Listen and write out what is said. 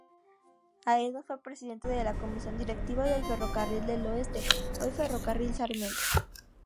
Haedo fue presidente de la comisión directiva del Ferrocarril del Oeste, hoy ferrocarril Sarmiento.